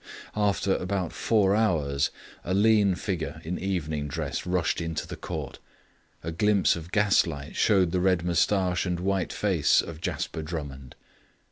After about four hours a lean figure in evening dress rushed into the court. A glimpse of gaslight showed the red moustache and white face of Jasper Drummond.